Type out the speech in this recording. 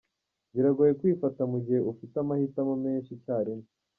Biragoye kwifata mu gihe ufite amahitamo menshi icyarimwe.